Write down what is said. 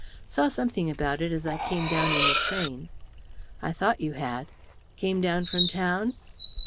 "Saw something about it as I came down in the train." "I thought you had. Came down from town?"